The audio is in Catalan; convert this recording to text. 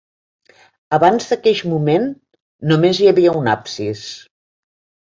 Abans d'aqueix moment, només hi havia un absis.